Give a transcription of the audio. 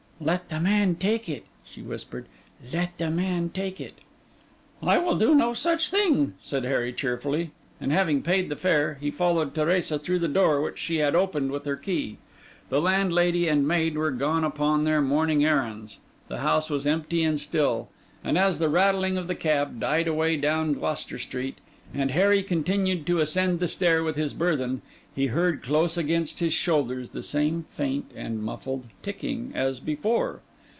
'Let the man take it,' she whispered. 'Let the man take it.' 'I will do no such thing,' said Harry cheerfully; and having paid the fare, he followed Teresa through the door which she had opened with her key. The landlady and maid were gone upon their morning errands; the house was empty and still; and as the rattling of the cab died away down Gloucester Street, and Harry continued to ascend the stair with his burthen, he heard close against his shoulders the same faint and muffled ticking as before.